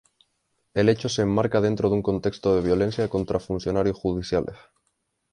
El hecho se enmarca dentro de un contexto de violencia contra funcionarios judiciales.